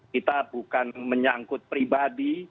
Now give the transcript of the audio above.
kita bukan menyangkut pribadi